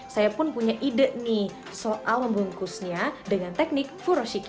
saya pun punya ide nih soal membungkusnya dengan teknik furoshica